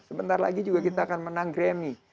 sebentar lagi juga kita akan menang grammy